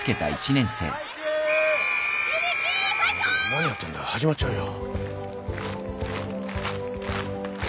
・何やってんだ始まっちゃうよ。